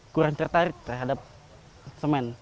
kurang tertarik terhadap semen